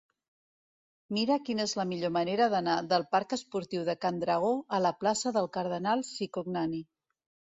Mira'm quina és la millor manera d'anar del parc Esportiu de Can Dragó a la plaça del Cardenal Cicognani.